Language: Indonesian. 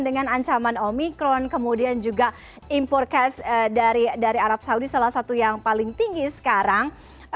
dengan ancaman omikron kemudian juga impor cash dari arab saudi salah satu yang paling tinggi sekarang